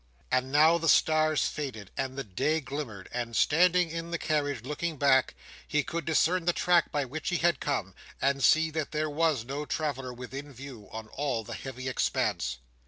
And now the stars faded, and the day glimmered, and standing in the carriage, looking back, he could discern the track by which he had come, and see that there was no traveller within view, on all the heavy expanse.